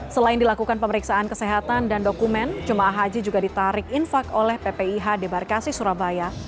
selain dilakukan pemeriksaan kesehatan dan dokumen jemaah haji juga ditarik infak oleh ppih debarkasi surabaya